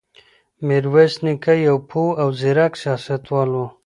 میرویس نیکه یو پوه او زیرک سیاستوال و.